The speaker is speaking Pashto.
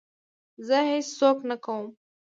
زه هېڅ څوک نه کوم.